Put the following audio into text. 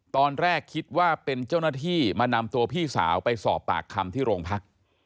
ตอนแรกคิดว่าเป็นเจ้าหน้าที่มานำตัวพี่สาวไปสอบปากคำที่โรงพัก